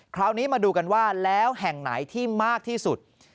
คราวนี้มาดูกันว่าแล้วแห่งไหนที่มากที่สุด